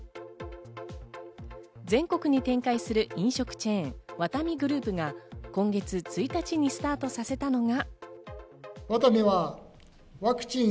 全国に展開する飲食チェーン、ワタミグループが今月１日にスタートさせたのが。